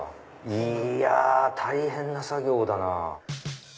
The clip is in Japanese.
いや大変な作業だなぁ。